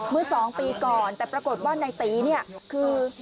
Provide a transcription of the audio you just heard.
เมื่อสองปีก่อนแต่ปรากฏว่านายตีคือ